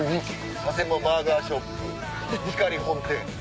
佐世保バーガーショップヒカリ本店。